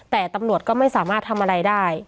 แต่ตำรวจก็ไม่สามารถทำอะไรได้